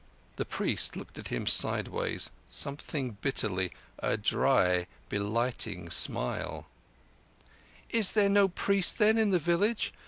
The priest looked at him sideways, something bitterly—a dry and blighting smile. "Is there no priest, then, in the village?